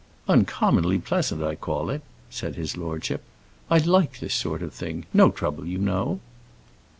"Uncommonly pleasant, I call it," said his lordship. "I like this sort of thing no trouble, you know."